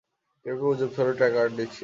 কেউ গুজব ছড়ালো, ট্রাকে আরডিএক্স ছিল।